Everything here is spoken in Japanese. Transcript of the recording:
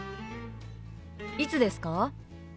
いつですか？